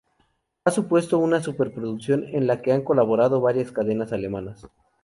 Ha supuesto una superproducción en la que han colaborado varias cadenas alemanas.